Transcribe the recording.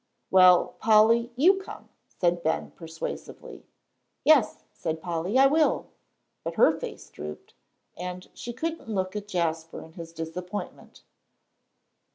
"Well, Polly, you come," said Ben, persuasively. "Yes," said Polly, "I will;" but her face drooped, and she couldn't look at Jasper in his disappointment.